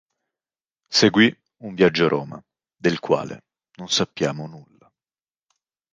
Seguì un viaggio a Roma del quale non sappiamo nulla.